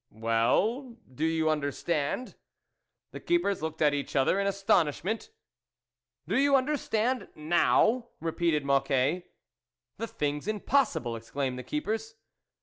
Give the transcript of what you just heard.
" Well, do you understand ?" The keepers looked at each other in astonishment. " Do you understand now ?" repeated Mocquet. " The thing's impossible !" exclaimed the keepers.